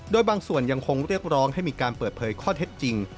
โดยบางส่วนยังคงเรียกร้องให้มีการเปิดเผยข้อเท็จจริง